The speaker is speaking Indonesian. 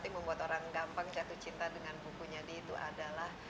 yang membuat orang gampang jatuh cinta dengan bukunya di itu adalah